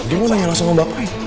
dia mau nanya langsung sama bapak ya